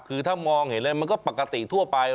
คือถ้ามองเห็นอะไรมันก็ปกติทั่วไป